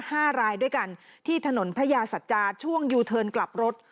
ห้ารายด้วยกันที่ถนนพระยาสัจจาช่วงยูเทิร์นกลับรถ